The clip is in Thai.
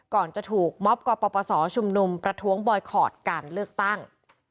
ก่อนถูกม็อบกว่าประสอบชุมนุมประท้วงบอยคอร์ดการเลือกตั้ง